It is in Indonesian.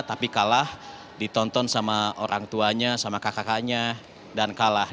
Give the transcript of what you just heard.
tapi kalah ditonton sama orang tuanya sama kakak kakaknya dan kalah